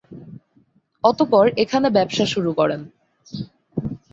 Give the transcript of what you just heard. অতঃপর এখানে ব্যবসা শুরু করেন।